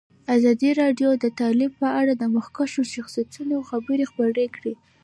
ازادي راډیو د تعلیم په اړه د مخکښو شخصیتونو خبرې خپرې کړي.